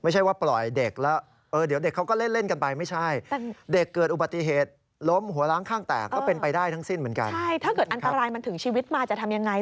ใช่ถ้าเกิดอันตรายมันถึงชีวิตมาจะทำอย่างไร